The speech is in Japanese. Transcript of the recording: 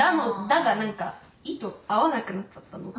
「だ」がなんか「い」と合わなくなっちゃったの。